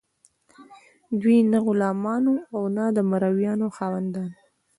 دوی نه غلامان وو او نه د مرئیانو خاوندان.